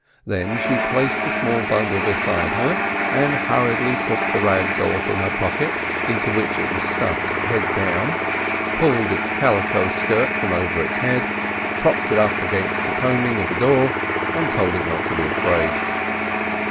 Then she placed the small bundle beside her, and hurriedly took the rag doll from her pocket, into which it was stuffed head down, pulled its calico skirt from over its head, propped it up against the coaming of the door, and told it not to be afraid.